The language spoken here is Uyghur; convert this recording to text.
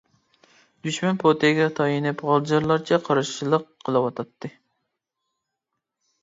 دۈشمەن پوتەيگە تايىنىپ غالجىرلارچە قارشىلىق قىلىۋاتاتتى.